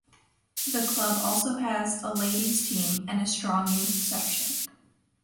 The club also has a ladies team and a strong youth section.